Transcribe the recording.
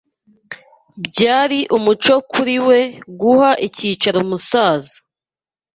Byari umuco kuri we guha icyicaro umusaza.